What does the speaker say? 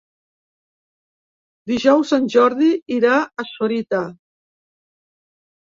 Dijous en Jordi irà a Sorita.